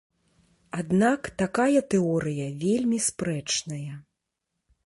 Аднак такая тэорыя вельмі спрэчная.